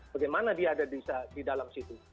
bagaimana dia ada di dalam situ